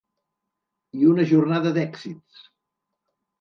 I una jornada d’èxits.